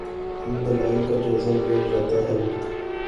ان دلائل کا جائزہ لیا جاتا ہے۔